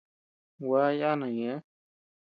Gua yana ñeʼë.